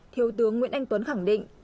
thiếu tướng nguyễn anh tuấn khẳng định